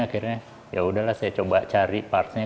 akhirnya yaudah lah saya coba cari partnya